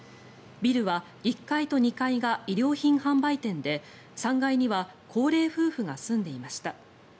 ビルは１階と２階が衣料品販売店で３階には高齢夫婦が住んでいました。